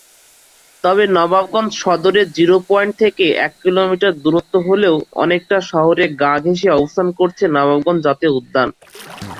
তবে নবাবগঞ্জ সদরের zero point থেকে এক কিলোমিটার দুরত্ব হলেও অনেকটা শহরের গা-ঘেষে অবস্থান করছে নবাবগঞ্জ জাতীয় উদ্যান।